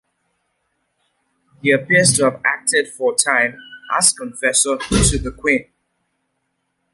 He appears to have acted for a time as confessor to the queen.